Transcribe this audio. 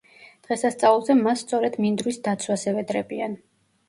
დღესასწაულზე მას სწორედ მინდვრის დაცვას ევედრებიან.